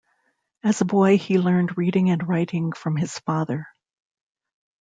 As a boy, he learned reading and writing from his father.